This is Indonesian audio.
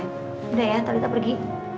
udah ya talitha pergi